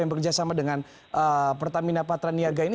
yang bekerja sama dengan pertamina patraniaga ini